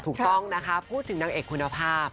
ถูกต้องนะคะพูดถึงนางเอกคุณภาพ